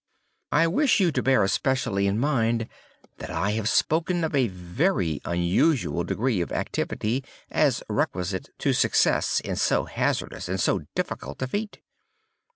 "I wish you to bear especially in mind that I have spoken of a very unusual degree of activity as requisite to success in so hazardous and so difficult a feat.